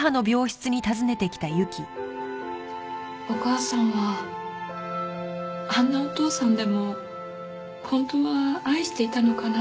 お母さんはあんなお父さんでも本当は愛していたのかなって。